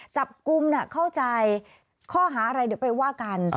จับกลุ่มเข้าใจข้อหาอะไรเดี๋ยวไปว่ากัน